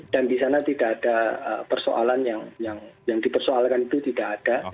dan di sana tidak ada persoalan yang dipersoalkan itu tidak ada